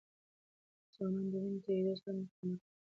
ځوانان د وینې د تویېدو سره سره مقاومت کوي.